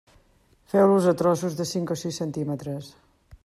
Feu-los a trossos d'uns cinc o sis centímetres.